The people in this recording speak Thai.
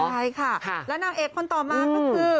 ใช่ค่ะและนางเอกคนต่อมาก็คือ